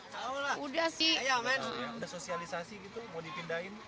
sudah sosialisasi gitu mau dipindahin